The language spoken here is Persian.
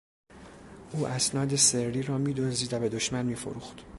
او اسناد سری را میدزدید و به دشمن میفروخت.